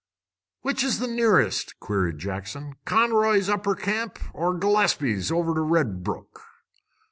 "Which is nearest," queried Jackson, "Conroy's Upper Camp, or Gillespie's, over to Red Brook?"